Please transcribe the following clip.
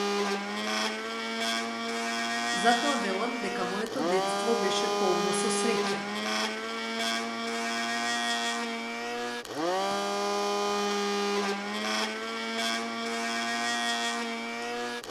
Затоа велам дека моето детство беше полно со среќа.